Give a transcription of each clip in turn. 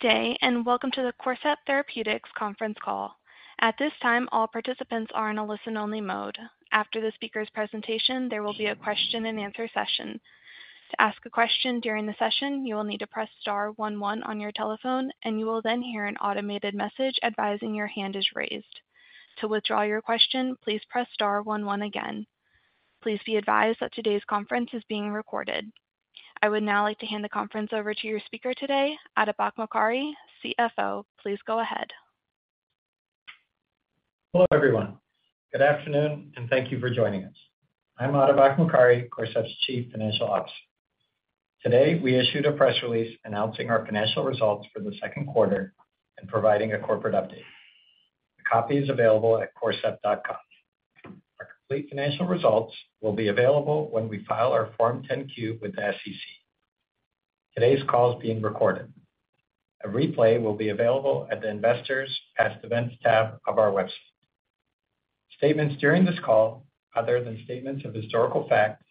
Good day, and welcome to the Corcept Therapeutics conference call. At this time, all participants are in a listen-only mode. After the speaker's presentation, there will be a question and answer session. To ask a question during the session, you will need to press star one one on your telephone, and you will then hear an automated message advising your hand is raised. To withdraw your question, please press star one one again. Please be advised that today's conference is being recorded. I would now like to hand the conference over to your speaker today, Atabak Mokari, CFO. Please go ahead. Hello, everyone. Good afternoon, and thank you for joining us. I'm Atabak Mokari, Corcept's Chief Financial Officer. Today, we issued a press release announcing our financial results for the second quarter and providing a corporate update. The copy is available at corcept.com. Our complete financial results will be available when we file our Form 10-Q with the SEC. Today's call is being recorded. A replay will be available at the Investors Past Events tab of our website. Statements during this call, other than statements of historical facts,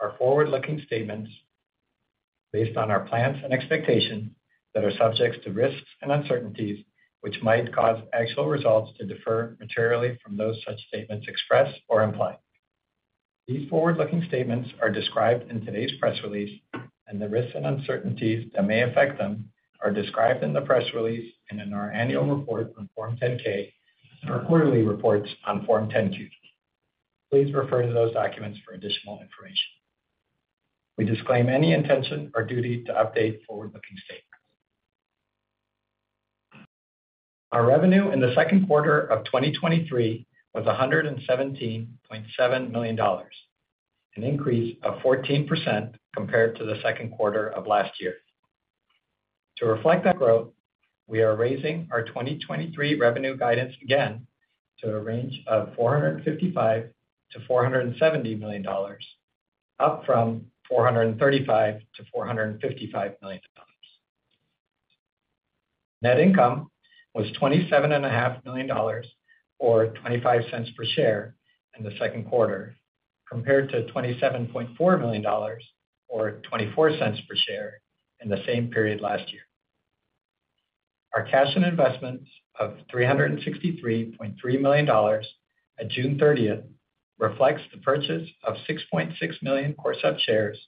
are forward-looking statements based on our plans and expectations that are subjects to risks and uncertainties, which might cause actual results to defer materially from those such statements expressed or implied. These forward-looking statements are described in today's press release, and the risks and uncertainties that may affect them are described in the press release and in our annual report on Form 10-K and our quarterly reports on Form 10-Q. Please refer to those documents for additional information. We disclaim any intention or duty to update forward-looking statements. Our revenue in the second quarter of 2023 was $117.7 million, an increase of 14% compared to the second quarter of last year. To reflect that growth, we are raising our 2023 revenue guidance again to a range of $455 million-$470 million, up from $435 million-$455 million. Net income was $27.5 million, or $0.25 per share in the second quarter, compared to $27.4 million, or $0.24 per share in the same period last year. Our cash and investments of $363.3 million at June 30th, reflects the purchase of 6.6 million Corcept shares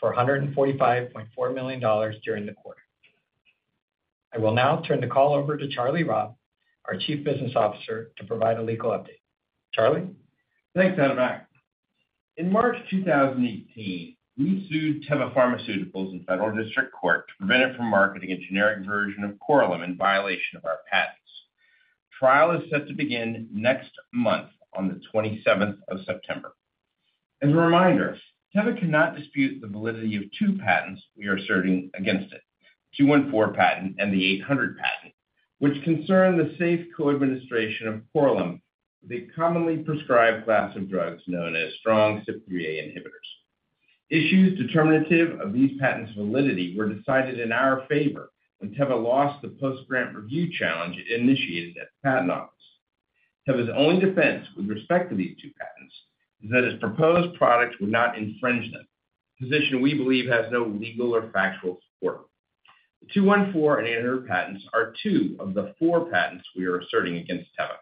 for $145.4 million during the quarter. I will now turn the call over to Charlie Robb, our Chief Business Officer, to provide a legal update. Charlie? Thanks, Atabak. In March 2018, we sued Teva Pharmaceuticals in Federal District Court to prevent it from marketing a generic version of Korlym in violation of our patents. Trial is set to begin next month on the 27th of September. As a reminder, Teva cannot dispute the validity of two patents we are asserting against it. 214 patent and the 800 patent, which concern the safe co-administration of Korlym, the commonly prescribed class of drugs known as strong CYP3A inhibitors. Issues determinative of these patents validity were decided in our favor when Teva lost the post-grant review challenge it initiated at the Patent Office. Teva's only defense with respect to these two patents is that its proposed products would not infringe them. Position we believe has no legal or factual support. The 214 and 800 patents are two of the four patents we are asserting against Teva.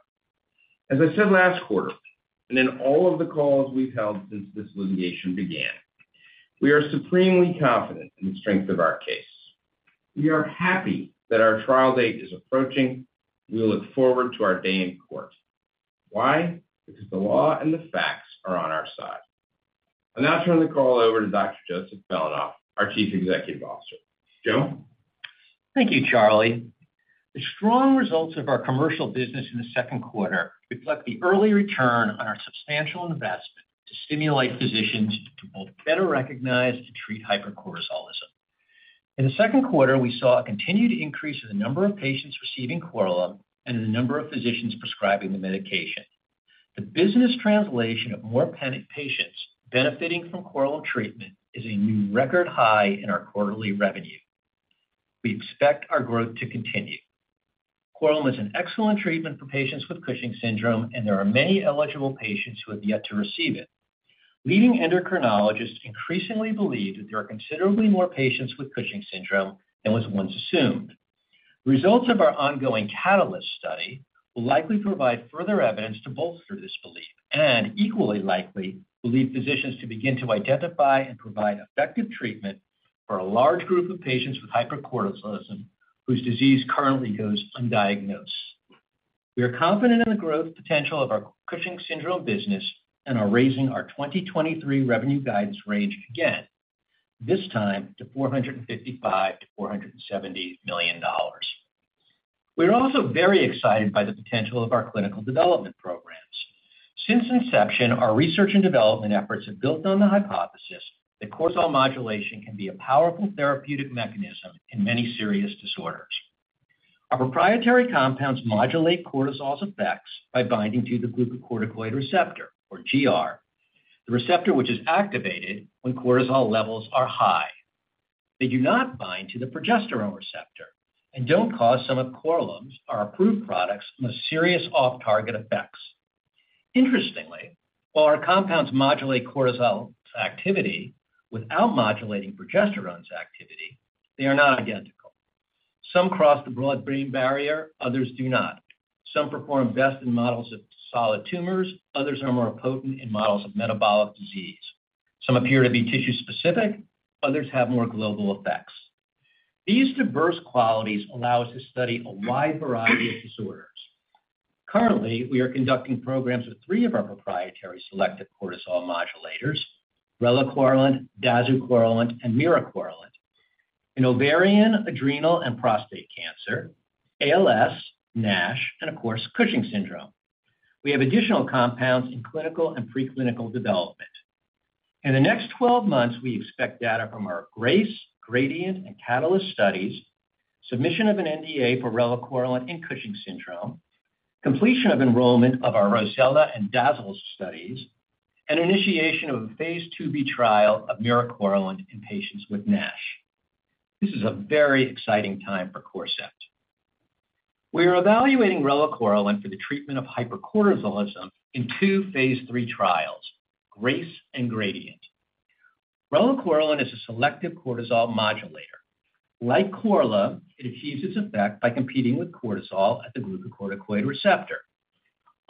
As I said last quarter, and in all of the calls we've held since this litigation began, we are supremely confident in the strength of our case. We are happy that our trial date is approaching. We look forward to our day in court. Why? The law and the facts are on our side. I'll now turn the call over to Dr. Joseph Belanoff, our Chief Executive Officer. Joe? Thank you, Charlie. The strong results of our commercial business in the second quarter reflect the early return on our substantial investment to stimulate physicians to both better recognize and treat hypercortisolism. In the second quarter, we saw a continued increase in the number of patients receiving Korlym and in the number of physicians prescribing the medication. The business translation of more panic patients benefiting from Korlym treatment is a new record high in our quarterly revenue. We expect our growth to continue. Korlym is an excellent treatment for patients with Cushing's syndrome, and there are many eligible patients who have yet to receive it. Leading endocrinologists increasingly believe that there are considerably more patients with Cushing's syndrome than was once assumed. Results of our ongoing CATALYST study will likely provide further evidence to bolster this belief, equally likely, will lead physicians to begin to identify and provide effective treatment for a large group of patients with hypercortisolism, whose disease currently goes undiagnosed. We are confident in the growth potential of our Cushing's syndrome business and are raising our 2023 revenue guidance range again, this time to $455 million-$470 million. We are also very excited by the potential of our clinical development programs. Since inception, our research and development efforts have built on the hypothesis that cortisol modulation can be a powerful therapeutic mechanism in many serious disorders. Our proprietary compounds modulate cortisol's effects by binding to the glucocorticoid receptor or GR, the receptor which is activated when cortisol levels are high. They do not bind to the progesterone receptor and don't cause some of Korlym's, our approved products, most serious off-target effects. Interestingly, while our compounds modulate cortisol's activity without modulating progesterone's activity, they are not identical. Some cross the blood-brain barrier, others do not. Some perform best in models of solid tumors, others are more potent in models of metabolic disease. Some appear to be tissue-specific, others have more global effects. These diverse qualities allow us to study a wide variety of disorders. Currently, we are conducting programs with three of our proprietary selective cortisol modulators, relacorilant, dazucorilant, and miricorilant. In ovarian, adrenal, and prostate cancer, ALS, NASH, and of course, Cushing's syndrome. We have additional compounds in clinical and preclinical development. In the next 12 months, we expect data from our GRACE, GRADIENT, and CATALYST studies, submission of an NDA for relacorilant in Cushing's syndrome, completion of enrollment of our ROSELLA and DAZALS studies, and initiation of a phase II-B trial of miricorilant in patients with NASH. This is a very exciting time for Corcept. We are evaluating relacorilant for the treatment of hypercortisolism in two phase III trials, GRACE and GRADIENT. Relacorilant is a selective cortisol modulator. Like Korlym, it achieves its effect by competing with cortisol at the glucocorticoid receptor.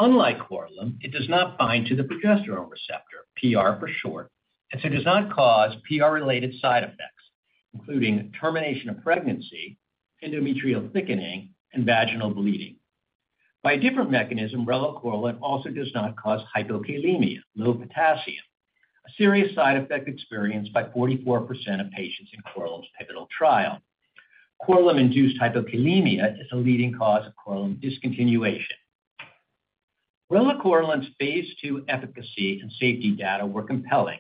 Unlike Korlym, it does not bind to the progesterone receptor, PR for short, and so does not cause PR-related side effects, including termination of pregnancy, endometrial thickening, and vaginal bleeding. By a different mechanism, relacorilant also does not cause hypokalemia, low potassium, a serious side effect experienced by 44% of patients in Korlym's pivotal trial. Korlym-induced hypokalemia is a leading cause of Korlym discontinuation. Relacorilant's phase II efficacy and safety data were compelling.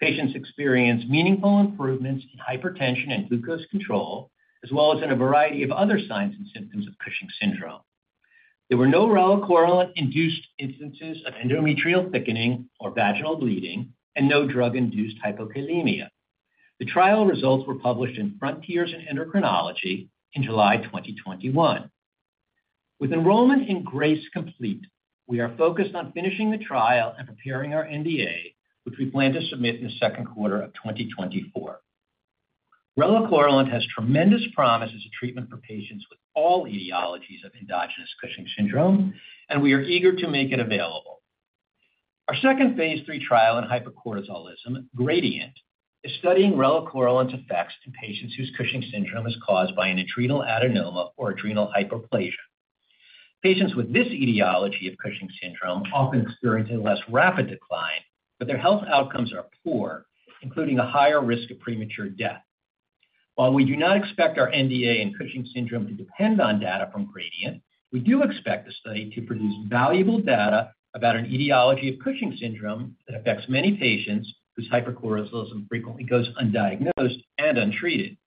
Patients experienced meaningful improvements in hypertension and glucose control, as well as in a variety of other signs and symptoms of Cushing's syndrome. There were no relacorilant-induced instances of endometrial thickening or vaginal bleeding, and no drug-induced hypokalemia. The trial results were published in Frontiers in Endocrinology in July 2021. With enrollment in GRACE complete, we are focused on finishing the trial and preparing our NDA, which we plan to submit in the second quarter of 2024. Relacorilant has tremendous promise as a treatment for patients with all etiologies of endogenous Cushing's syndrome, and we are eager to make it available. Our second phase III trial in hypercortisolism, GRADIENT, is studying relacorilant's effects in patients whose Cushing's syndrome is caused by an adrenal adenoma or adrenal hyperplasia. Patients with this etiology of Cushing's syndrome often experience a less rapid decline, but their health outcomes are poor, including a higher risk of premature death. While we do not expect our NDA in Cushing's syndrome to depend on data from GRADIENT, we do expect the study to produce valuable data about an etiology of Cushing's syndrome that affects many patients whose hypercortisolism frequently goes undiagnosed and untreated.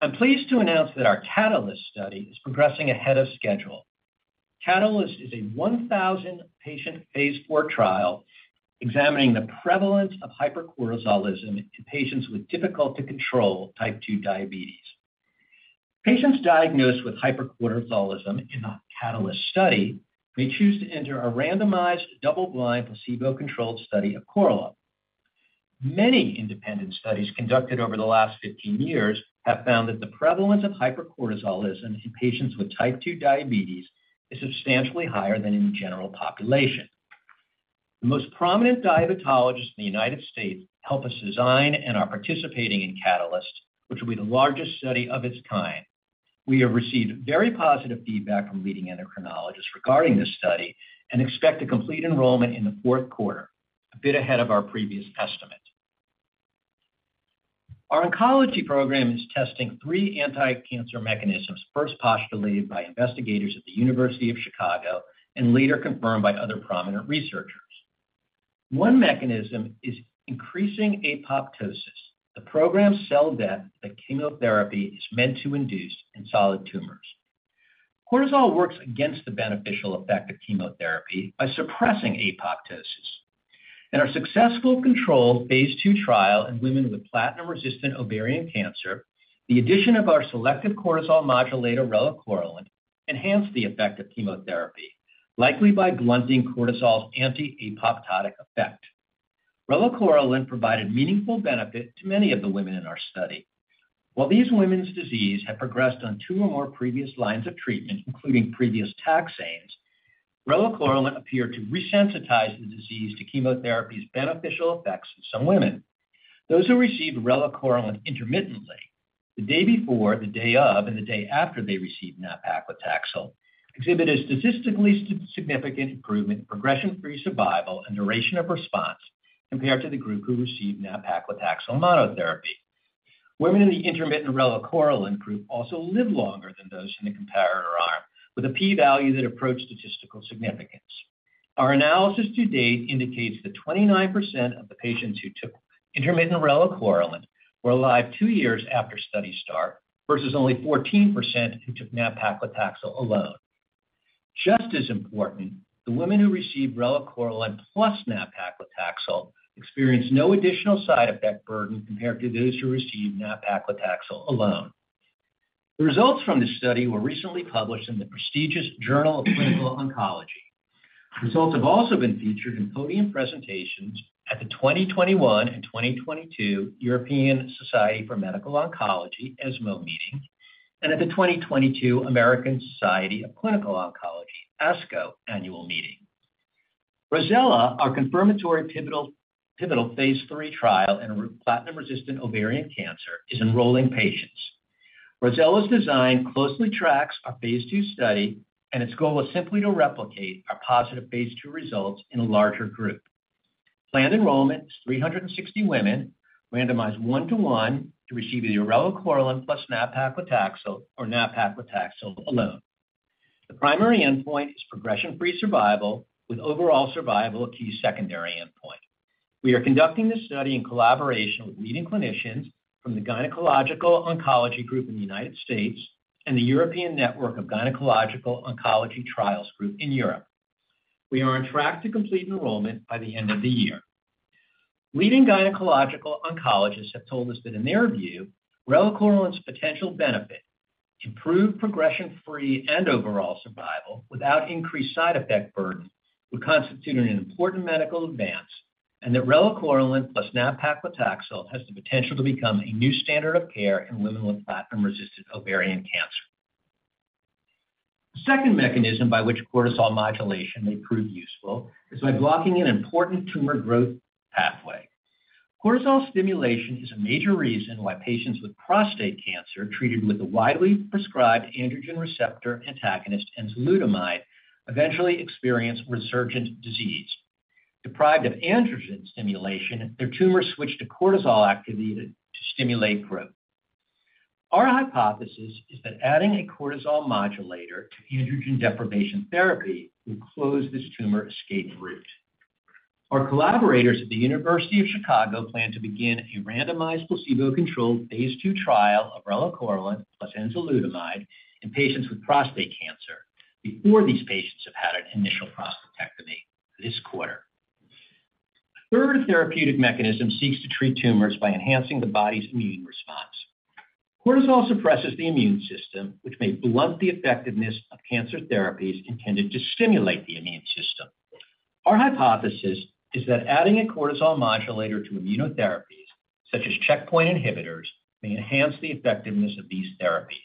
I'm pleased to announce that our CATALYST study is progressing ahead of schedule. CATALYST is a 1,000-patient, phase IV trial examining the prevalence of hypercortisolism in patients with difficult-to-control type 2 diabetes. Patients diagnosed with hypercortisolism in our CATALYST study may choose to enter a randomized, double-blind, placebo-controlled study of Korlym. Many independent studies conducted over the last 15 years have found that the prevalence of hypercortisolism in patients with type 2 diabetes is substantially higher than in the general population. The most prominent diabetologists in the United States help us design and are participating in CATALYST, which will be the largest study of its kind. We have received very positive feedback from leading endocrinologists regarding this study and expect to complete enrollment in the fourth quarter, a bit ahead of our previous estimate. Our oncology program is testing three anti-cancer mechanisms, first postulated by investigators at the University of Chicago and later confirmed by other prominent researchers. One mechanism is increasing apoptosis, the program's cell death that chemotherapy is meant to induce in solid tumors. Cortisol works against the beneficial effect of chemotherapy by suppressing apoptosis. In our successful control phase II trial in women with platinum-resistant ovarian cancer, the addition of our selective cortisol modulator, relacorilant, enhanced the effect of chemotherapy, likely by blunting cortisol's anti-apoptotic effect. Relacorilant provided meaningful benefit to many of the women in our study. While these women's disease had progressed on two or more previous lines of treatment, including previous taxanes, relacorilant appeared to resensitize the disease to chemotherapy's beneficial effects in some women. Those who received relacorilant intermittently, the day before, the day of, and the day after they received nab-paclitaxel, exhibited statistically significant improvement in progression-free survival and duration of response compared to the group who received nab-paclitaxel monotherapy. Women in the intermittent relacorilant group also lived longer than those in the comparator arm, with a p-value that approached statistical significance. Our analysis to date indicates that 29% of the patients who took intermittent relacorilant were alive 2 years after study start, versus only 14% who took nab-paclitaxel alone. Just as important, the women who received relacorilant plus nab-paclitaxel experienced no additional side effect burden compared to those who received nab-paclitaxel alone.... The results from this study were recently published in the prestigious Journal of Clinical Oncology. Results have also been featured in podium presentations at the 2021 and 2022 European Society for Medical Oncology, ESMO meeting, and at the 2022 American Society of Clinical Oncology, ASCO annual meeting. ROSELLA, our confirmatory pivotal phase III trial in platinum-resistant ovarian cancer, is enrolling patients. ROSELLA's design closely tracks our phase II study, and its goal is simply to replicate our positive phase II results in a larger group. Planned enrollment is 360 women, randomized one to one to receive either relacorilant plus nab-paclitaxel or nab-paclitaxel alone. The primary endpoint is progression-free survival, with overall survival a key secondary endpoint. We are conducting this study in collaboration with leading clinicians from the Gynecologic Oncology Group in the United States and the European Network of Gynaecological Oncological Trial groups in Europe. We are on track to complete enrollment by the end of the year. Leading gynecological oncologists have told us that in their view, relacorilant's potential benefit, improved progression-free and overall survival without increased side effect burden, would constitute an important medical advance, and that relacorilant plus nab-paclitaxel has the potential to become a new standard of care in women with platinum-resistant ovarian cancer. The second mechanism by which cortisol modulation may prove useful is by blocking an important tumor growth pathway. Cortisol stimulation is a major reason why patients with prostate cancer treated with a widely prescribed androgen receptor antagonist, enzalutamide, eventually experience resurgent disease. Deprived of androgen stimulation, their tumors switch to cortisol activity to stimulate growth. Our hypothesis is that adding a cortisol modulator to androgen deprivation therapy will close this tumor escape route. Our collaborators at the University of Chicago plan to begin a randomized, placebo-controlled phase II trial of relacorilant plus enzalutamide in patients with prostate cancer before these patients have had an initial prostatectomy this quarter. Third therapeutic mechanism seeks to treat tumors by enhancing the body's immune response. Cortisol suppresses the immune system, which may blunt the effectiveness of cancer therapies intended to stimulate the immune system. Our hypothesis is that adding a cortisol modulator to immunotherapies, such as checkpoint inhibitors, may enhance the effectiveness of these therapies.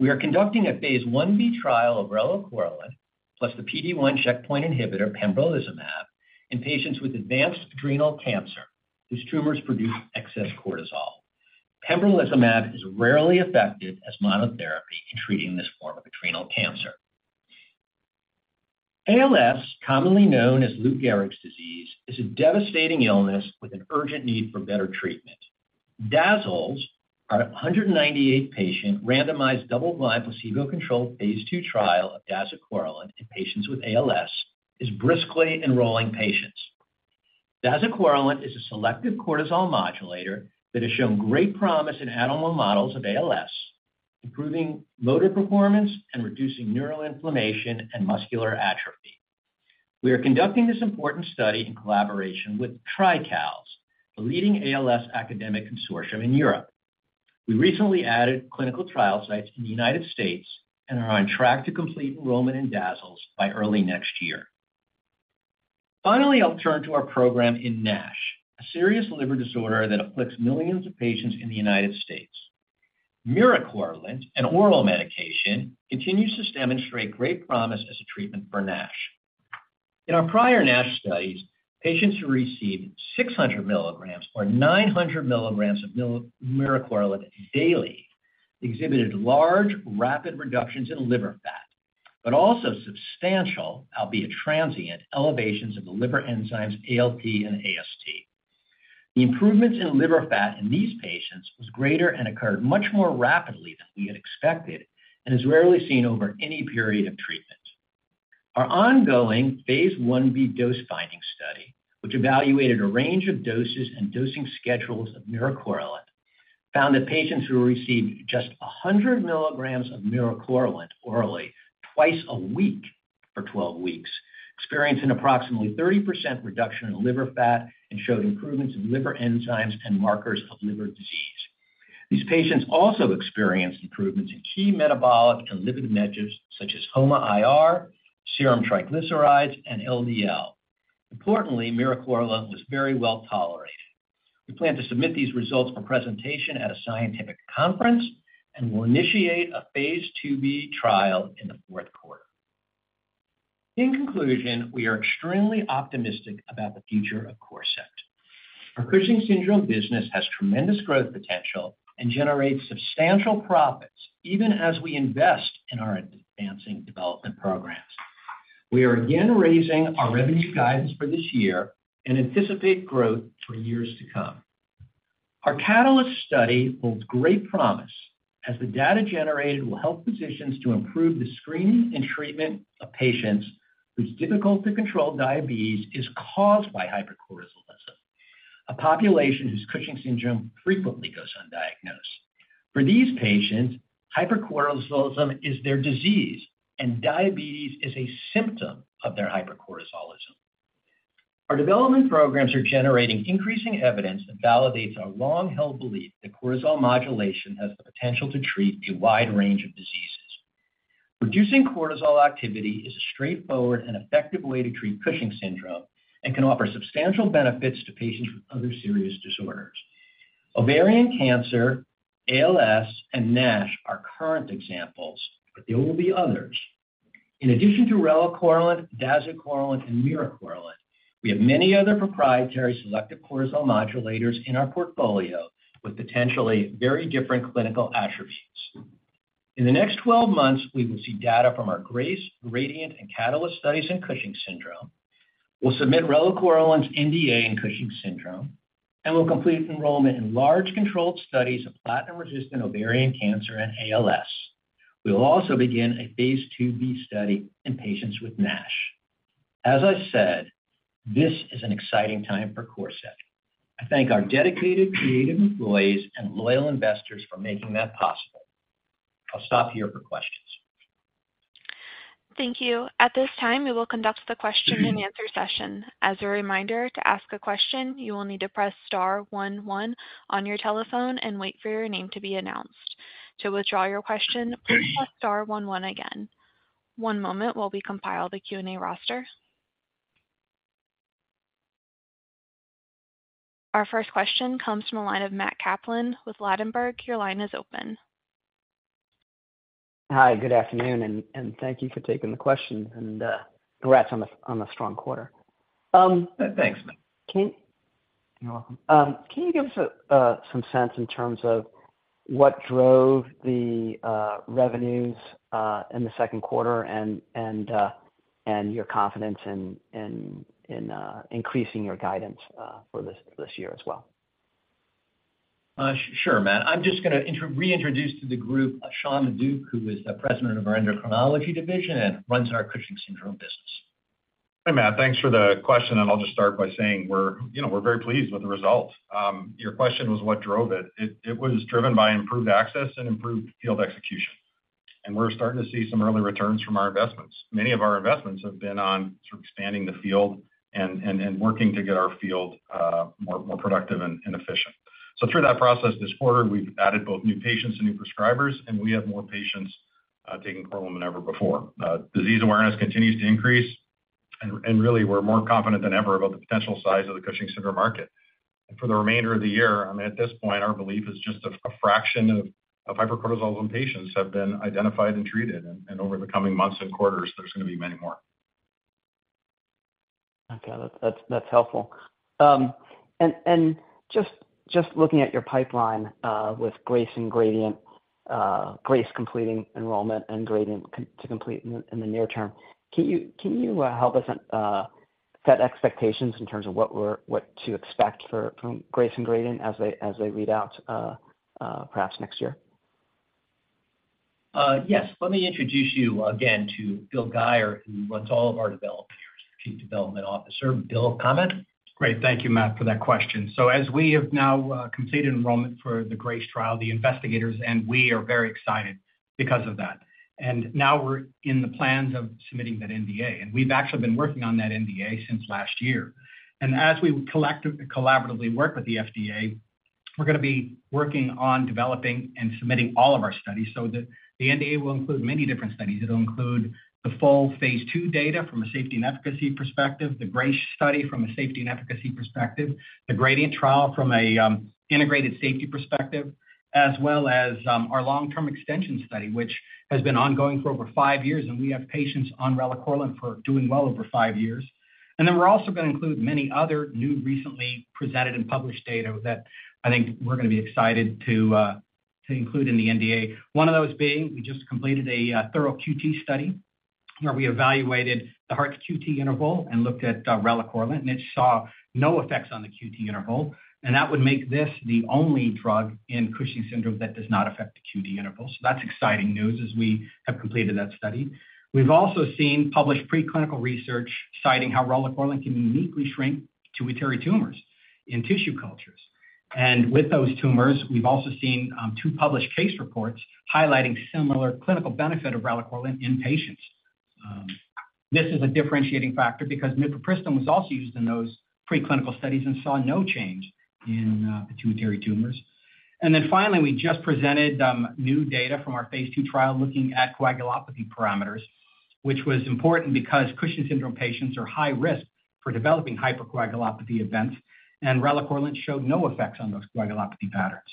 We are conducting a phase I-B trial of relacorilant, plus the PD-1 checkpoint inhibitor pembrolizumab, in patients with advanced adrenal cancer, whose tumors produce excess cortisol. Pembrolizumab is rarely effective as monotherapy in treating this form of adrenal cancer. ALS, commonly known as Lou Gehrig's disease, is a devastating illness with an urgent need for better treatment. DAZALS are a 198-patient, randomized, double-blind, placebo-controlled phase II trial of dazucorilant in patients with ALS, is briskly enrolling patients. Dazucorilant is a selective cortisol modulator that has shown great promise in animal models of ALS, improving motor performance and reducing neural inflammation and muscular atrophy. We are conducting this important study in collaboration with TRICALS, a leading ALS academic consortium in Europe. We recently added clinical trial sites in the United States and are on track to complete enrollment in DAZALS by early next year. Finally, I'll turn to our program in NASH, a serious liver disorder that afflicts millions of patients in the United States. Miricorilant, an oral medication, continues to demonstrate great promise as a treatment for NASH. In our prior NASH studies, patients who received 600 mg or 900 mg of miricorilant daily exhibited large, rapid reductions in liver fat, but also substantial, albeit transient, elevations of the liver enzymes ALP and AST. The improvements in liver fat in these patients was greater and occurred much more rapidly than we had expected and is rarely seen over any period of treatment. Our ongoing phase I-B dose-finding study, which evaluated a range of doses and dosing schedules of miricorilant, found that patients who received just 100 mg of miricorilant orally twice a week for 12 weeks, experienced an approximately 30% reduction in liver fat and showed improvements in liver enzymes and markers of liver disease. These patients also experienced improvements in key metabolic and liver measures, such as HOMA-IR, serum triglycerides, and LDL. Importantly, miricorilant was very well tolerated. We plan to submit these results for presentation at a scientific conference, and we'll initiate a phase II-B trial in the fourth quarter. In conclusion, we are extremely optimistic about the future of Corcept. Our Cushing's syndrome business has tremendous growth potential and generates substantial profits, even as we invest in our advancing development programs. We are again raising our revenue guidance for this year and anticipate growth for years to come. Our CATALYST study holds great promise, as the data generated will help physicians to improve the screening and treatment of patients whose difficult-to-control diabetes is caused by hypercortisolism, a population whose Cushing's syndrome frequently goes undiagnosed. For these patients, hypercortisolism is their disease, and diabetes is a symptom of their hypercortisolism. Our development programs are generating increasing evidence that validates our long-held belief that cortisol modulation has the potential to treat a wide range of diseases. Reducing cortisol activity is a straightforward and effective way to treat Cushing's syndrome and can offer substantial benefits to patients with other serious disorders. Ovarian cancer, ALS, and NASH are current examples, but there will be others. In addition to relacorilant, dazucorilant, and miricorilant, we have many other proprietary selective cortisol modulators in our portfolio with potentially very different clinical attributes. In the next 12 months, we will see data from our GRACE, GRADIENT, and CATALYST studies in Cushing's syndrome. We'll submit relacorilant's NDA in Cushing's syndrome, and we'll complete enrollment in large controlled studies of platinum-resistant ovarian cancer and ALS. We will also begin a phase II-B study in patients with NASH. As I said, this is an exciting time for Corcept. I thank our dedicated, creative employees and loyal investors for making that possible. I'll stop here for questions. Thank you. At this time, we will conduct the question-and-answer session. As a reminder, to ask a question, you will need to press star one, one on your telephone and wait for your name to be announced. To withdraw your question, please press star one, one again. One moment while we compile the Q&A roster. Our first question comes from the line of Matt Kaplan with Ladenburg. Your line is open. Hi, good afternoon, and thank you for taking the question, and congrats on the strong quarter. Thanks, Matt. You're welcome. Can you give us some sense in terms of what drove the revenues in the second quarter and your confidence in increasing your guidance for this year as well? Sure, Matt. I'm just gonna reintroduce to the group Sean Maduck, who is the President of our Endocrinology Division and runs our Cushing's syndrome business. Hi, Matt, thanks for the question. I'll just start by saying we're, you know, we're very pleased with the results. Your question was what drove it? It, it was driven by improved access and improved field execution. We're starting to see some early returns from our investments. Many of our investments have been on expanding the field and, and, and working to get our field, more, more productive and, and efficient. So through that process this quarter, we've added both new patients and new prescribers. We have more patients taking Korlym than ever before. Disease awareness continues to increase, and, and really, we're more confident than ever about the potential size of the Cushing's syndrome market. For the remainder of the year, I mean, at this point, our belief is just a fraction of hypercortisolism patients have been identified and treated, and over the coming months and quarters, there's gonna be many more. Okay, that's, that's, that's helpful. Just looking at your pipeline, with GRACE and GRADIENT, GRACE completing enrollment and GRADIENT to complete in the near term, can you help us set expectations in terms of what to expect for from GRACE and GRADIENT as they read out perhaps next year? Yes. Let me introduce you again to Bill Guyer, who runs all of our development, our Chief Development Officer. Bill, comment? Great. Thank you, Matt, for that question. As we have now completed enrollment for the GRACE trial, the investigators and we are very excited because of that. Now we're in the plans of submitting that NDA, and we've actually been working on that NDA since last year. As we collaboratively work with the FDA, we're gonna be working on developing and submitting all of our studies so that the NDA will include many different studies. It'll include the full phase II data from a safety and efficacy perspective, the GRACE study from a safety and efficacy perspective, the GRADIENT trial from a integrated safety perspective, as well as our long-term extension study, which has been ongoing for over 5 years, and we have patients on relacorilant for doing well over 5 years. We're also gonna include many other new, recently presented and published data that I think we're gonna be excited to include in the NDA. One of those being, we just completed a Thorough QT study, where we evaluated the heart's QT interval and looked at relacorilant, and it saw no effects on the QT interval, and that would make this the only drug in Cushing's syndrome that does not affect the QT interval. That's exciting news as we have completed that study. We've also seen published preclinical research citing how relacorilant can uniquely shrink pituitary tumors in tissue cultures. With those tumors, we've also seen two published case reports highlighting similar clinical benefit of relacorilant in patients. This is a differentiating factor because mifepristone was also used in those preclinical studies and saw no change in pituitary tumors. Finally, we just presented some new data from our phase II trial looking at coagulopathy parameters, which was important because Cushing's syndrome patients are high risk for developing hypercoagulopathy events. Relacorilant showed no effects on those coagulopathy patterns.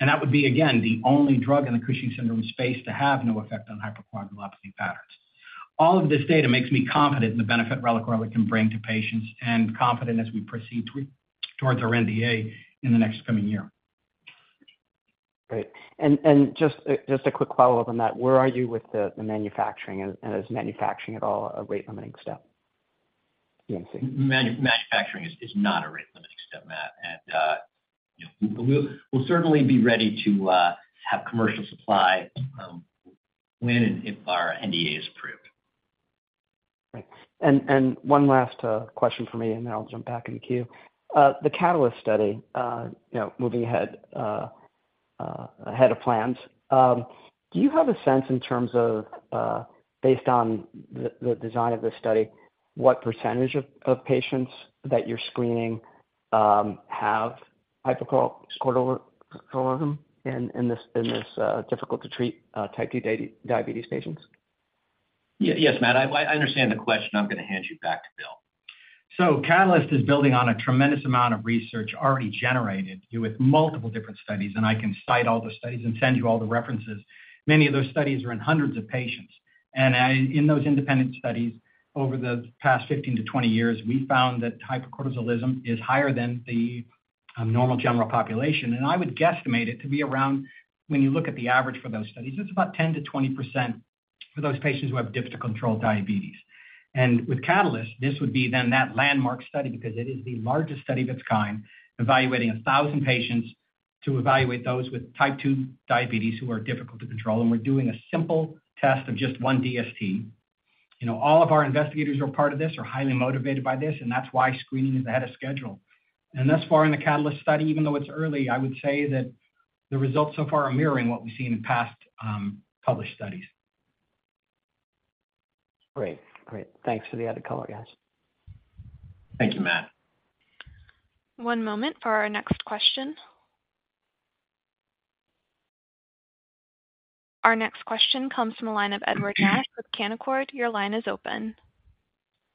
That would be, again, the only drug in the Cushing's syndrome space to have no effect on hypercoagulopathy patterns. This data makes me confident in the benefit relacorilant can bring to patients and confident as we proceed towards our NDA in the next coming year. Great. Just a quick follow-up on that, where are you with the manufacturing, and is manufacturing at all a rate-limiting step? Manufacturing is not a rate-limiting step, Matt. You know, we'll, we'll certainly be ready to have commercial supply, when and if our NDA is approved. Great. One last question from me, and then I'll jump back in the queue. The CATALYST study, you know, moving ahead... ahead of plans. Do you have a sense in terms of, based on the design of this study, what percentage of, of patients that you're screening, have hypercortisolism in, in this, in this difficult to treat type 2 diabetes patients? Yes, Matt, I understand the question. I'm gonna hand you back to Bill. CATALYST is building on a tremendous amount of research already generated with multiple different studies, and I can cite all the studies and send you all the references. Many of those studies are in hundreds of patients. In those independent studies over the past 15-20 years, we found that hypercortisolism is higher than the normal general population. I would guesstimate it to be around, when you look at the average for those studies, it's about 10%-20% for those patients who have difficult-to-control diabetes. With CATALYST, this would be then that landmark study because it is the largest study of its kind, evaluating 1,000 patients to evaluate those with type 2 diabetes who are difficult-to-control. We're doing a simple test of just one DST. You know, all of our investigators who are part of this are highly motivated by this. That's why screening is ahead of schedule. Thus far in the CATALYST study, even though it's early, I would say that the results so far are mirroring what we've seen in past published studies. Great. Great. Thanks for the added color, guys. Thank you, Matt. One moment for our next question. Our next question comes from the line of Edward Nash with Canaccord. Your line is open.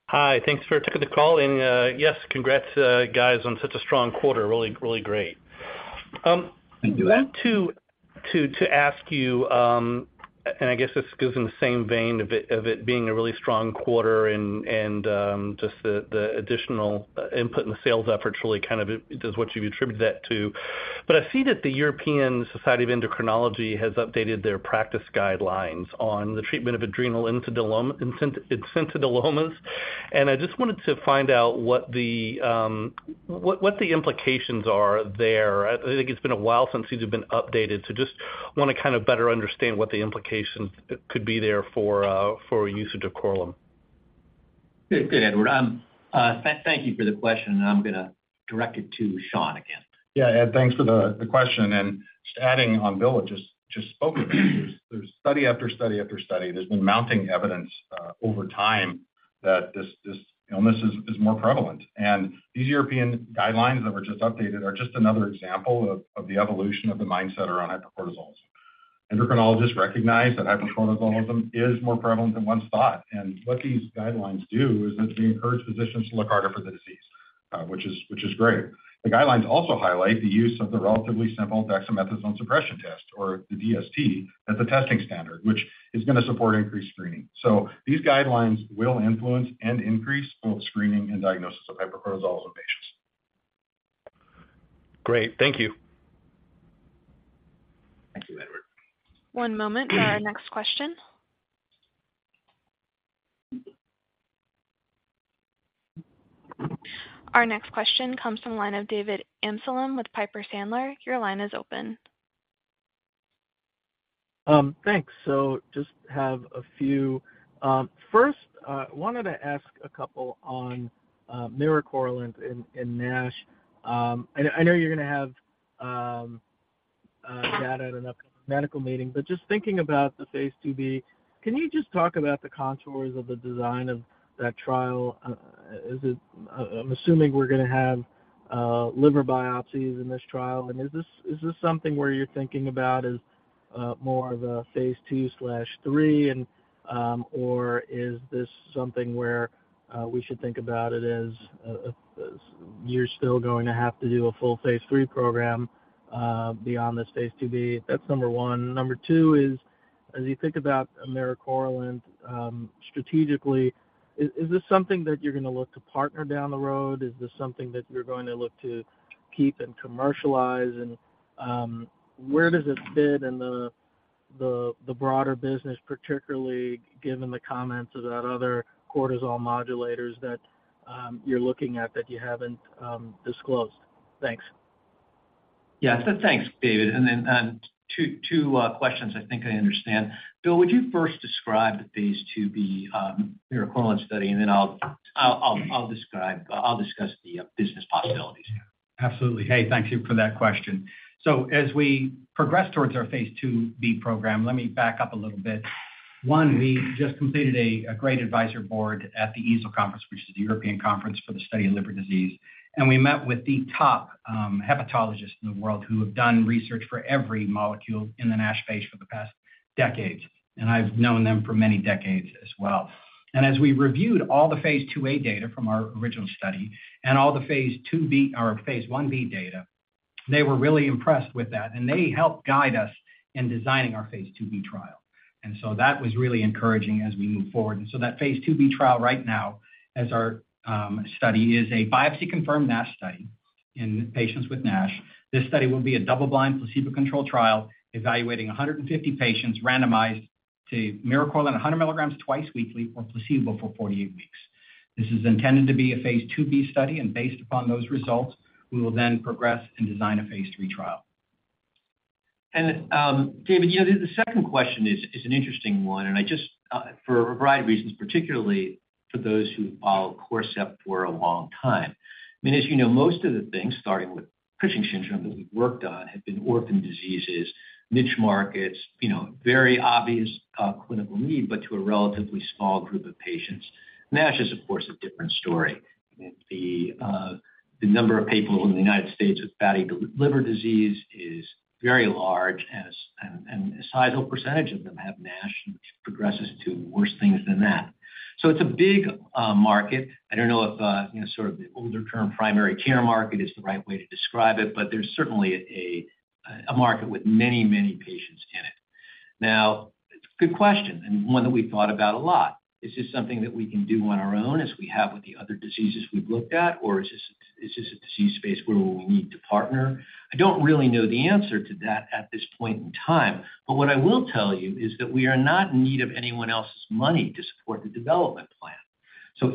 Hi, thanks for taking the call. Yes, congrats, guys, on such a strong quarter. Really, really great. I want to ask you, and I guess this goes in the same vein of it, of it being a really strong quarter and, just the, the additional input and the sales effort really kind of does what you've attributed that to. I see that the European Society of Endocrinology has updated their practice guidelines on the treatment of adrenal incidentalomas, and I just wanted to find out what the implications are there. I think it's been a while since these have been updated, so just wanna kind of better understand what the implications could be there for, for usage of Korlym. Good. Good, Edward. thank, thank you for the question, and I'm gonna direct it to Sean again. Yeah, Ed, thanks for the, the question, and just adding on what Bill just, just spoke to. There's study after study after study, there's been mounting evidence over time that this, this illness is, is more prevalent. These European guidelines that were just updated are just another example of, of the evolution of the mindset around hypercortisolism. Endocrinologists recognize that hypercortisolism is more prevalent than once thought. What these guidelines do is that they encourage physicians to look harder for the disease, which is, which is great. The guidelines also highlight the use of the relatively simple dexamethasone suppression test, or the DST, as a testing standard, which is gonna support increased screening. These guidelines will influence and increase both screening and diagnosis of hypercortisolism patients. Great. Thank you. Thank you, Edward. One moment for our next question. Our next question comes from the line of David Amsellem with Piper Sandler. Your line is open. Thanks. just have a few... first, wanted to ask a couple on miricorilant in NASH. I know, I know you're gonna have data at an upcoming medical meeting, but just thinking about the phase II-B, can you just talk about the contours of the design of that trial? Is it... I'm assuming we're gonna have liver biopsies in this trial. is this, is this something where you're thinking about as more of a phase II/III, and, or is this something where we should think about it as as you're still going to have to do a full phase III program beyond this phase II-B? That's number one. Number two is, as you think about miricorilant, strategically, is, is this something that you're gonna look to partner down the road? Is this something that you're going to look to keep and commercialize? Where does it fit in the broader business, particularly given the comments about other cortisol modulators that you're looking at that you haven't disclosed? Thanks. Yeah. Thanks, David. Then, two, two questions I think I understand. Bill, would you first describe the phase II-B miricorilant study, and then I'll discuss the business possibilities. Absolutely. Hey, thank you for that question. As we progress towards our phase II-B program, let me back up a little bit. One, we just completed a great advisory board at the EASL conference, which is the European Conference for the Study of Liver Disease, and we met with the top hepatologists in the world who have done research for every molecule in the NASH space for the past decades, and I've known them for many decades as well. As we reviewed all the phase II-A data from our original study and all the phase II-B or phase I-B data, they were really impressed with that, and they helped guide us in designing our phase II-B trial. That was really encouraging as we moved forward. That phase II-B trial right now, as our study, is a biopsy-confirmed NASH study in patients with NASH. This study will be a double-blind, placebo-controlled trial evaluating 150 patients randomized to miricorilant 100 mg twice weekly or placebo for 48 weeks. This is intended to be a phase II-B study, and based upon those results, we will then progress and design a phase III trial. David, you know, the, the second question is, is an interesting one, and I just for a variety of reasons, particularly-... for those who've followed Corcept for a long time. I mean, as you know, most of the things, starting with Cushing's syndrome, that we've worked on have been orphan diseases, niche markets, you know, very obvious clinical need, but to a relatively small group of patients. NASH is, of course, a different story. The number of people in the United States with fatty li- liver disease is very large, as, and, and a sizable percentage of them have NASH, which progresses to worse things than that. It's a big market. I don't know if, you know, sort of the older term, primary care market, is the right way to describe it, but there's certainly a, a market with many, many patients in it. It's a good question, and one that we've thought about a lot. Is this something that we can do on our own, as we have with the other diseases we've looked at? Or is this, is this a disease space where we'll need to partner? I don't really know the answer to that at this point in time, but what I will tell you is that we are not in need of anyone else's money to support the development plan.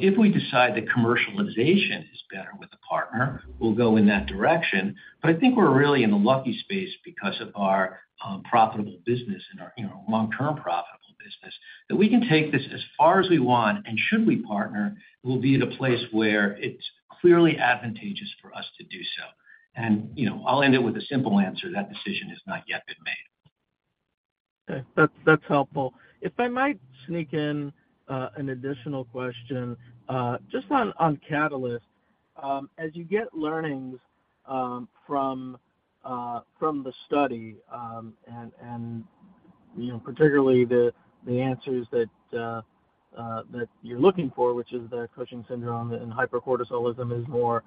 If we decide that commercialization is better with a partner, we'll go in that direction. I think we're really in a lucky space because of our profitable business and our, you know, long-term profitable business, that we can take this as far as we want, and should we partner, we'll be at a place where it's clearly advantageous for us to do so. You know, I'll end it with a simple answer. That decision has not yet been made. Okay, that's, that's helpful. If I might sneak in an additional question just on CATALYST. As you get learnings from from the study, and, and, you know, particularly the, the answers that that you're looking for, which is the Cushing's syndrome and hypercortisolism is more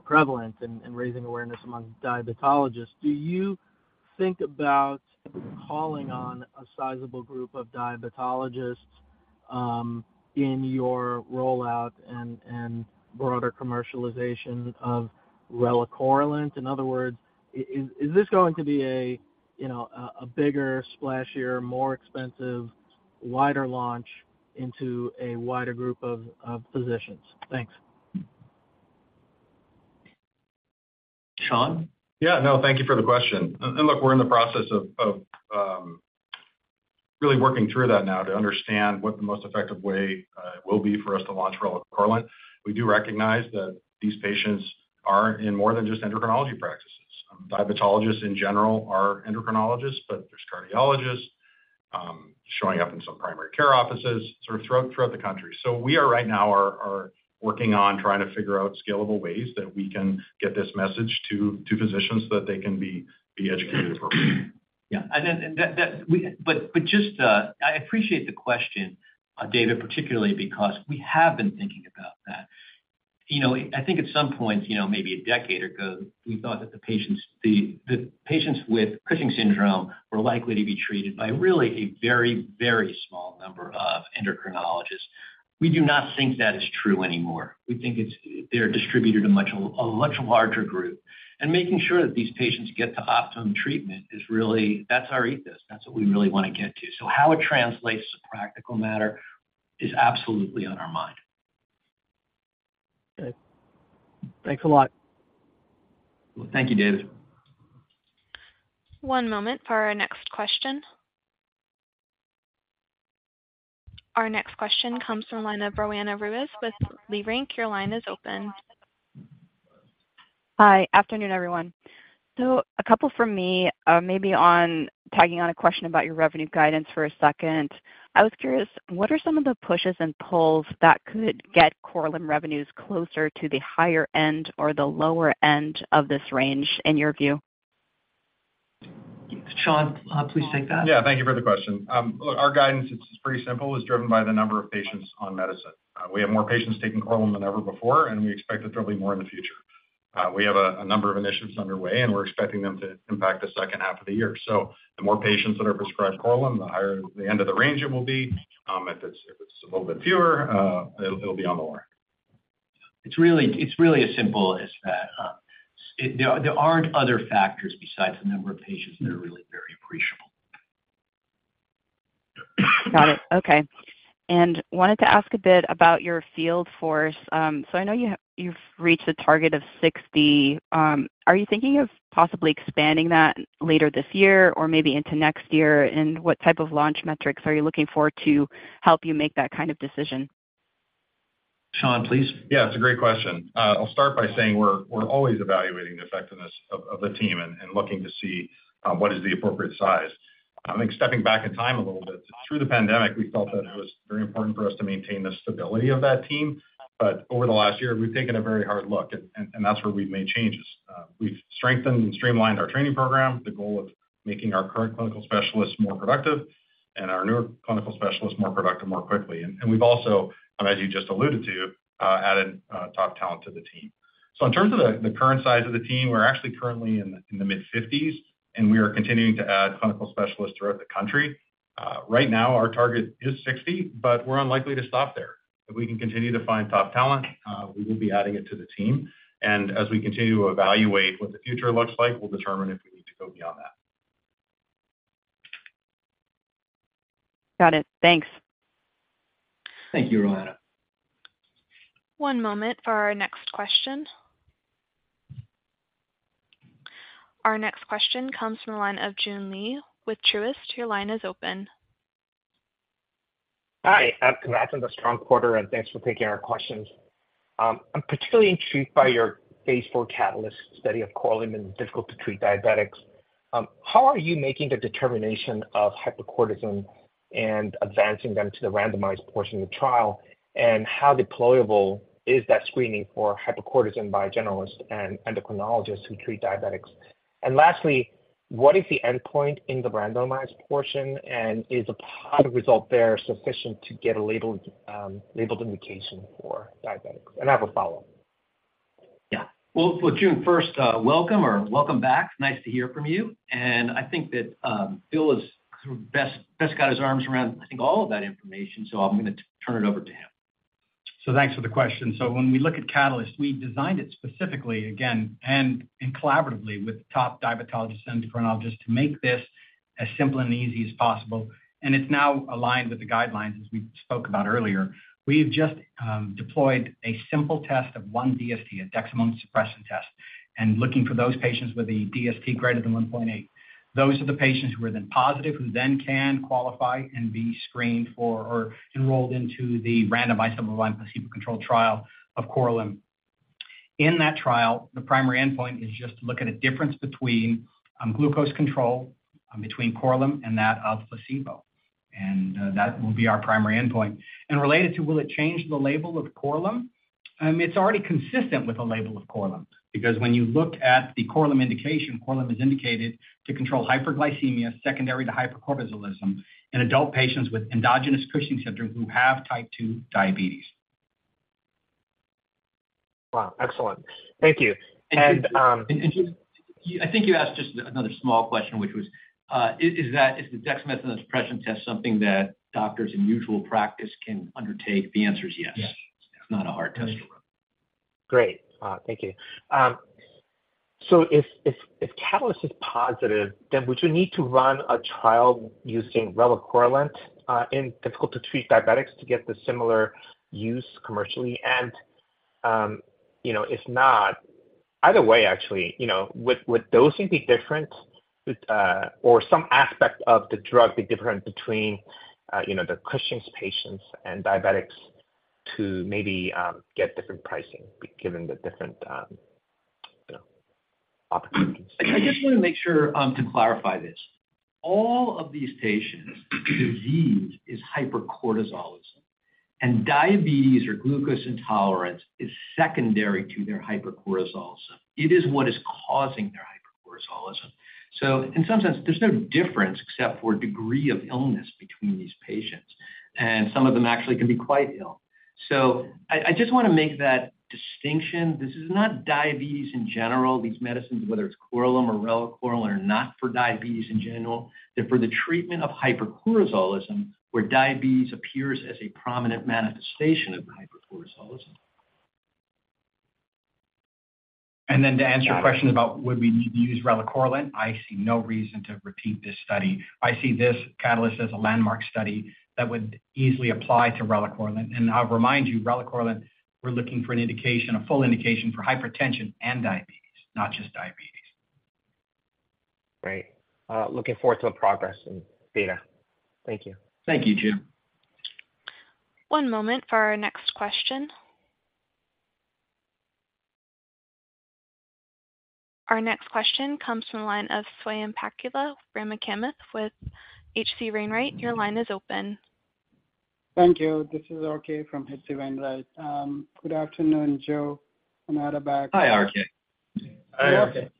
prevalent in, in raising awareness among diabetologists. Do you think about calling on a sizable group of diabetologists in your rollout and, and broader commercialization of relacorilant? In other words, is, is this going to be a, you know, a, a bigger, splashier, more expensive, wider launch into a wider group of, of physicians? Thanks. Sean? Yeah, no, thank you for the question. Look, we're in the process of, of really working through that now to understand what the most effective way will be for us to launch relacorilant. We do recognize that these patients aren't in more than just endocrinology practices. Diabetologists, in general, are endocrinologists, but there's cardiologists showing up in some primary care offices sort of throughout, throughout the country. We are right now working on trying to figure out scalable ways that we can get this message to physicians so that they can be educated appropriately. Yeah. I appreciate the question, David, particularly because we have been thinking about that. You know, I think at some point, you know, maybe a decade ago, we thought that the patients with Cushing's syndrome were likely to be treated by really a very, very small number of endocrinologists. We do not think that is true anymore. We think they're distributed a much larger group. Making sure that these patients get the optimum treatment is really. That's our ethos, that's what we really want to get to. How it translates to practical matter is absolutely on our mind. Good. Thanks a lot. Thank you, David. One moment for our next question. Our next question comes from the line of Roanna Ruiz with Leerink. Your line is open. Hi. Afternoon, everyone. A couple from me, maybe on tagging on a question about your revenue guidance for a second. I was curious, what are some of the pushes and pulls that could get Korlym revenues closer to the higher end or the lower end of this range, in your view? Sean, please take that. Yeah, thank you for the question. Look, our guidance, it's pretty simple, is driven by the number of patients on medicine. We have more patients taking Korlym than ever before, and we expect there to be more in the future. We have a number of initiatives underway, and we're expecting them to impact the second half of the year. The more patients that are prescribed Korlym, the higher the end of the range it will be. If it's a little bit fewer, it'll be on the lower end. It's really, it's really as simple as that. There aren't other factors besides the number of patients that are really very appreciable. Got it. Okay. Wanted to ask a bit about your field force. I know you have... You've reached the target of 60. Are you thinking of possibly expanding that later this year or maybe into next year? What type of launch metrics are you looking for to help you make that kind of decision? Sean, please. Yeah, it's a great question. I'll start by saying we're, we're always evaluating the effectiveness of, of the team and, and looking to see what is the appropriate size. I think stepping back in time a little bit, through the pandemic, we felt that it was very important for us to maintain the stability of that team. Over the last year, we've taken a very hard look, and that's where we've made changes. We've strengthened and streamlined our training program with the goal of making our current clinical specialists more productive and our newer clinical specialists more productive more quickly. We've also, as you just alluded to, added top talent to the team. In terms of the current size of the team, we're actually currently in the mid-50s, and we are continuing to add clinical specialists throughout the country. Right now, our target is 60, but we're unlikely to stop there. If we can continue to find top talent, we will be adding it to the team, and as we continue to evaluate what the future looks like, we'll determine if we need to go beyond that. Got it. Thanks. Thank you, Roanna. One moment for our next question. Our next question comes from the line of Joon Lee with Truist. Your line is open. Hi, congrats on the strong quarter, and thanks for taking our questions. I'm particularly intrigued by your phase IV CATALYST study of Korlym in difficult to treat diabetics. How are you making the determination of hypercortisolism and advancing them to the randomized portion of the trial? How deployable is that screening for hypercortisolism by generalists and endocrinologists who treat diabetics? Lastly, what is the endpoint in the randomized portion, and is a positive result there sufficient to get a labeled, labeled indication for diabetics? I have a follow-up. Yeah. Well, well, Joon first, welcome or welcome back. Nice to hear from you. I think that Bill has best, best got his arms around, I think, all of that information, so I'm gonna turn it over to him. Thanks for the question. When we look at CATALYST, we designed it specifically, again, and collaboratively with top diabetologists and endocrinologists to make this as simple and easy as possible, and it's now aligned with the guidelines as we spoke about earlier. We've just deployed a simple test of one DST, a dexamethasone suppression test, and looking for those patients with a DST greater than 1.8. Those are the patients who are then positive, who then can qualify and be screened for or enrolled into the randomized, double-blind, placebo-controlled trial of Korlym. In that trial, the primary endpoint is just to look at a difference between glucose control between Korlym and that of placebo, and that will be our primary endpoint. Related to, will it change the label of Korlym? It's already consistent with the label of Korlym, because when you look at the Korlym indication, Korlym is indicated to control hyperglycemia secondary to hypercortisolism in adult patients with endogenous Cushing's syndrome who have type 2 diabetes. Wow, excellent. Thank you. Joon, I think you asked just another small question, which was, is that, is the dexamethasone suppression test something that doctors in usual practice can undertake? The answer is yes. Yes. It's not a hard test to run. Great. Thank you. If, if, if CATALYST is positive, then would you need to run a trial using relacorilant in difficult to treat diabetics to get the similar use commercially? If not, either way, actually, you know, would, would dosing be different, with or some aspect of the drug be different between, you know, the Cushing's patients and diabetics to maybe get different pricing, given the different, you know, opportunities? I just wanna make sure to clarify this. All of these patients' disease is hypercortisolism, and diabetes or glucose intolerance is secondary to their hypercortisolism. It is what is causing their hypercortisolism. In some sense, there's no difference except for degree of illness between these patients, and some of them actually can be quite ill. I, I just wanna make that distinction. This is not diabetes in general. These medicines, whether it's Korlym or relacorilant, are not for diabetes in general. They're for the treatment of hypercortisolism, where diabetes appears as a prominent manifestation of hypercortisolism. Then to answer your question about would we use relacorilant, I see no reason to repeat this study. I see this CATALYST as a landmark study that would easily apply to relacorilant. I'll remind you, relacorilant, we're looking for an indication, a full indication for hypertension and diabetes, not just diabetes. Great. looking forward to the progress and data. Thank you. Thank you, Joon. One moment for our next question. Our next question comes from the line of Swayampakula, Ramakanth with H.C. Wainwright. Your line is open. Thank you. This is RK from H.C. Wainwright. Good afternoon, Joe, Atabak. Hi, RK. Hi, RK.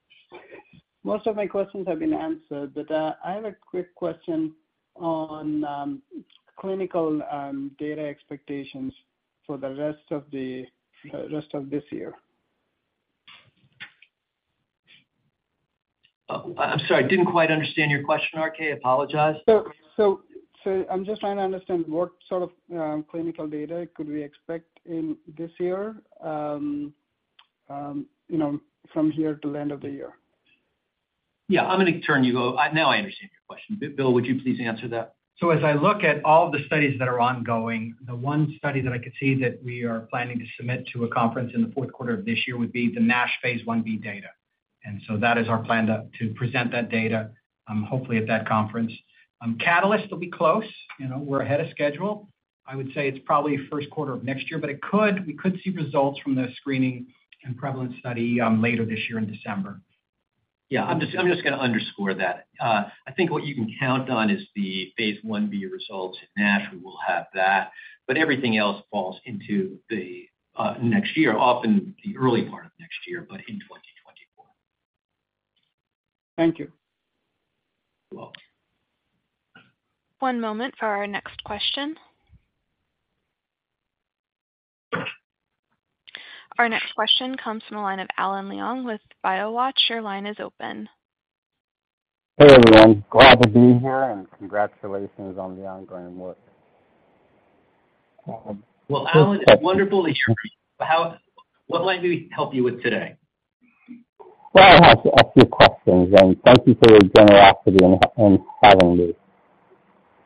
Most of my questions have been answered, but I have a quick question on clinical data expectations for the rest of the rest of this year. I'm sorry, I didn't quite understand your question, RK. I apologize. I'm just trying to understand what sort of clinical data could we expect in this year, you know, from here to the end of the year? Yeah, I'm gonna turn you over. Now I understand your question. Bill, Bill, would you please answer that? As I look at all the studies that are ongoing, the one study that I could see that we are planning to submit to a conference in the fourth quarter of this year would be the NASH phase I-B data. That is our plan to present that data hopefully at that conference. CATALYST will be close. You know, we're ahead of schedule. I would say it's probably first quarter of next year, but we could see results from the screening and prevalence study later this year in December. Yeah, I'm just, I'm just gonna underscore that. I think what you can count on is the phase I-B results. NASH, we will have that. Everything else falls into the next year, often the early part of next year, but in 2024. Thank you. You're welcome. One moment for our next question. Our next question comes from the line of Alan Leong with BioWatch. Your line is open. Hey, everyone. Glad to be here, and congratulations on the ongoing work. Well, Alan, it's wonderful to hear from you. What may we help you with today? Well, I have a few questions. Thank you for your generosity in having me.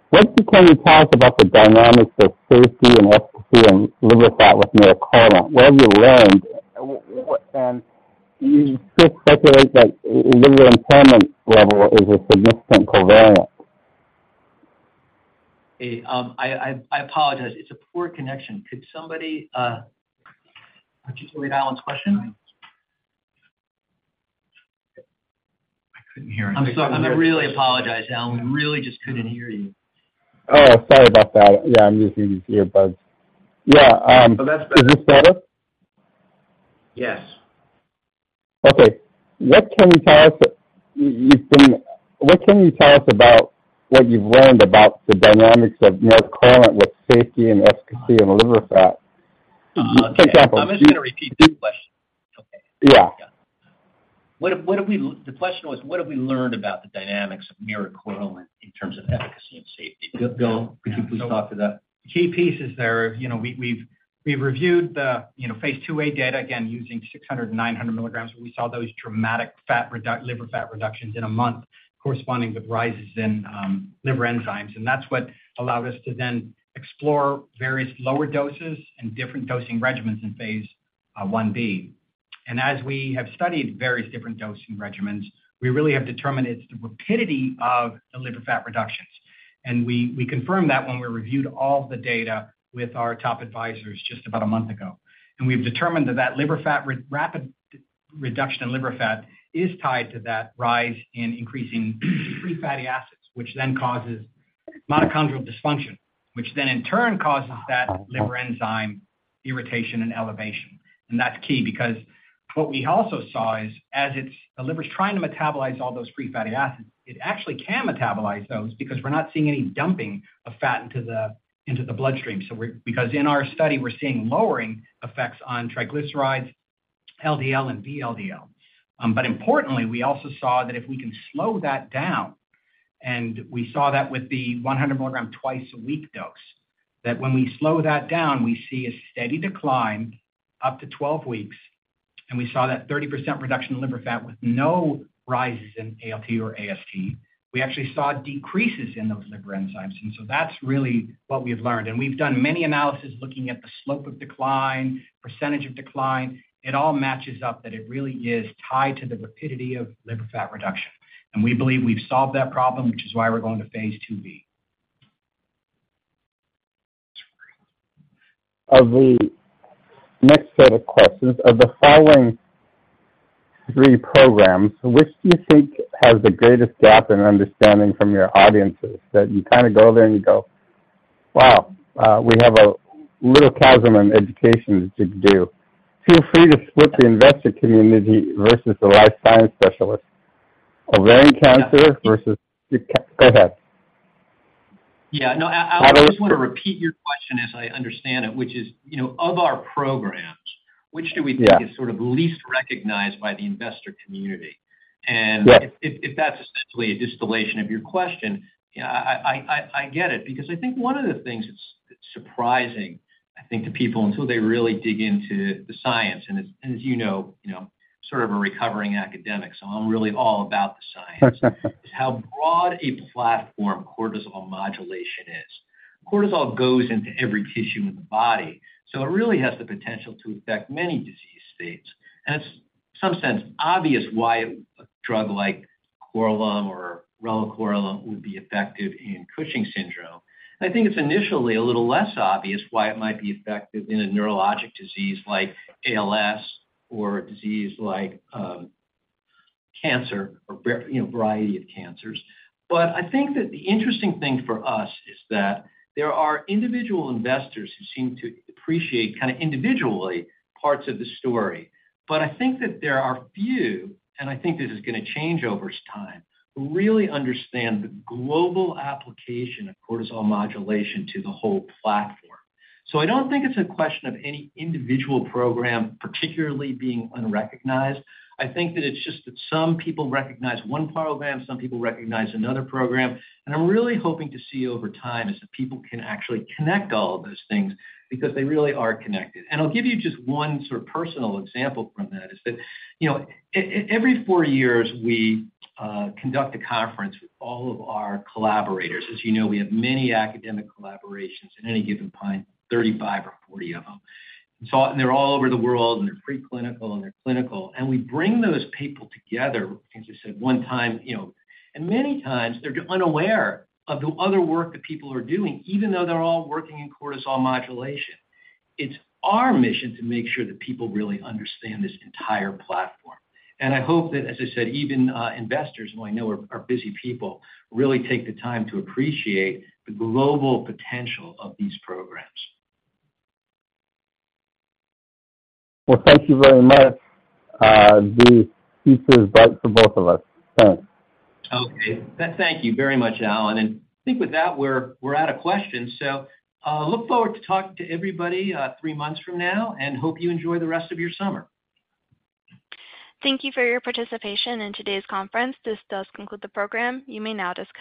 What can you tell us about the dynamics of safety and efficacy in liver fat with miricorilant? What have you learned? What, you speculate that liver impairment level is a significant covariate. Hey, I apologize. It's a poor connection. Could somebody, could you repeat Alan's question? I couldn't hear it. I'm sorry. I really apologize, Alan. We really just couldn't hear you. Oh, sorry about that. Yeah, I'm using these earbuds. Yeah, is this better? Yes. Okay. What can you tell us, What can you tell us about what you've learned about the dynamics of miricorilant with safety and efficacy in liver fat? Okay. For example- I'm just gonna repeat the question. Okay. Yeah. Yeah. What, what have we... The question was, what have we learned about the dynamics of miricorilant in terms of efficacy and safety? Bill, could you please talk to that? Key pieces there, you know, we, we've, we've reviewed the, you know, phase II-A data, again, using 600 and 900 mg, and we saw those dramatic fat redu-- liver fat reductions in a month corresponding with rises in liver enzymes, that's what allowed us to then explore various lower doses and different dosing regimens in phase I-B. As we have studied various different dosing regimens, we really have determined it's the rapidity of the liver fat reductions, and we, we confirmed that when we reviewed all the data with our top advisors just about a month ago. We've determined that that liver fat re-- rapid reduction in liver fat is tied to that rise in increasing free fatty acids, which then causes mitochondrial dysfunction, which then in turn causes that liver enzyme irritation and elevation. That's key because what we also saw is the liver is trying to metabolize all those free fatty acids, it actually can metabolize those because we're not seeing any dumping of fat into the into the bloodstream. Because in our study, we're seeing lowering effects on triglycerides, LDL, and VLDL. But importantly, we also saw that if we can slow that down, and we saw that with the 100 mg twice a week dose, that when we slow that down, we see a steady decline up to 12 weeks, and we saw that 30% reduction in liver fat with no rises in ALT or AST. We actually saw decreases in those liver enzymes, and so that's really what we've learned. We've done many analysis looking at the slope of decline, percentage of decline. It all matches up that it really is tied to the rapidity of liver fat reduction. We believe we've solved that problem, which is why we're going to phase II-B. Of the next set of questions, of the following three programs, which do you think has the greatest gap in understanding from your audiences? That you kinda go there and you go, "Wow, we have a little chasm in education to do." Feel free to split the investor community versus the life science specialist. Ovarian cancer versus... Go ahead. Yeah, no, I, I just wanna repeat your question as I understand it, which is, you know, of our programs, which do we think- Yeah.... is sort of least recognized by the investor community? Yeah. If, if, if that's essentially a distillation of your question, yeah, I, I, I, I get it, because I think one of the things that's, that's surprising, I think, to people until they really dig into the science, and as, and as you know, you know, sort of a recovering academic, so I'm really all about the science. Is how broad a platform cortisol modulation is. Cortisol goes into every tissue in the body, so it really has the potential to affect many disease states. It's, in some sense, obvious why a drug like Korlym or relacorilant would be effective in Cushing's syndrome. I think it's initially a little less obvious why it might be effective in a neurologic disease like ALS or a disease like cancer or you know, a variety of cancers. I think that the interesting thing for us is that there are individual investors who seem to appreciate, kind of individually, parts of the story. I think that there are few, and I think this is going to change over time, who really understand the global application of cortisol modulation to the whole platform. I don't think it's a question of any individual program, particularly being unrecognized. I think that it's just that some people recognize one program, some people recognize another program, and I'm really hoping to see over time, is that people can actually connect all of those things because they really are connected. I'll give you just one sort of personal example from that, is that, you know, every 4 years, we conduct a conference with all of our collaborators. As you know, we have many academic collaborations at any given time, 35 or 40 of them. They're all over the world, they're preclinical, and they're clinical, and we bring those people together, as you said, one time, you know. Many times, they're unaware of the other work that people are doing, even though they're all working in cortisol modulation. It's our mission to make sure that people really understand this entire platform. I hope that, as I said, even investors who I know are, are busy people, really take the time to appreciate the global potential of these programs. Well, thank you very much. The future is bright for both of us. Thanks. Okay. Thank you very much, Alan. I think with that, we're, we're out of questions. Look forward to talking to everybody, 3 months from now, and hope you enjoy the rest of your summer. Thank you for your participation in today's conference. This does conclude the program. You may now disconnect.